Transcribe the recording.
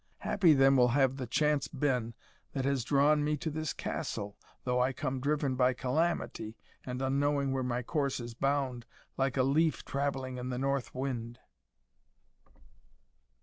Happy then will have the chance been that has drawn me to this castle, though I come driven by calamity, and unknowing where my course is bound, like a leaf travelling on the north wind."